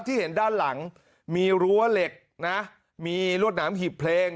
ที่เห็นด้านหลังมีรั้วเหล็กนะมีรวดหนามหีบเพลง